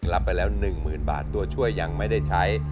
รับไปแล้ว๑๐๐๐บาทตัวช่วยยังไม่ได้ใช้